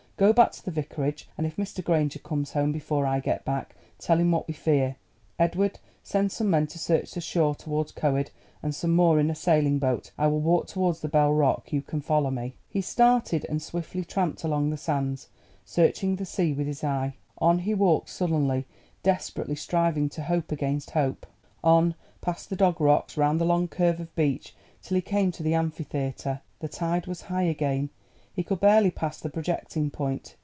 "Go back to the Vicarage, and if Mr. Granger comes home before I get back, tell him what we fear. Edward, send some men to search the shore towards Coed, and some more in a sailing boat. I will walk towards the Bell Rock—you can follow me." He started and swiftly tramped along the sands, searching the sea with his eye. On he walked sullenly, desperately striving to hope against hope. On, past the Dog Rocks, round the long curve of beach till he came to the Amphitheatre. The tide was high again; he could barely pass the projecting point.